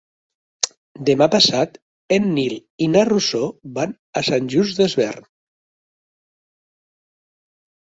Demà passat en Nil i na Rosó van a Sant Just Desvern.